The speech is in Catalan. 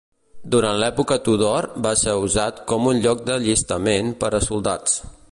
Durant l'època Tudor va ser usat com un lloc d'allistament per a soldats.